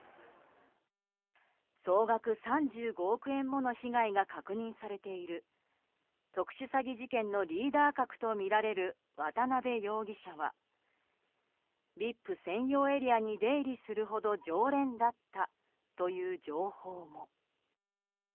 総額３５億円もの被害が確認されている特殊詐欺事件のリーダー格とみられる渡邉容疑者はＶＩＰ専用エリアに出入りするほど常連だったという情報も。